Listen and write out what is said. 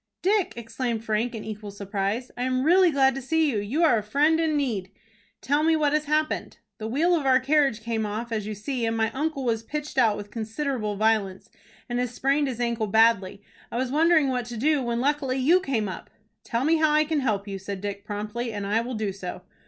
"Dick!" exclaimed Frank, in equal surprise. "I am really glad to see you. You are a friend in need." "Tell me what has happened." "The wheel of our carriage came off, as you see and my uncle was pitched out with considerable violence, and has sprained his ankle badly. I was wondering what to do, when luckily you came up." "Tell me how I can help you," said Dick, promptly, "and I will do so."